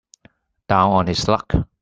Down on his luck.